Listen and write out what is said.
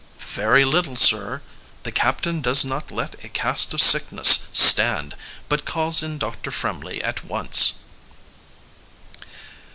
"Very little, sir. The captain does not let a cast of sickness stand, but calls in Dr. Fremley at once."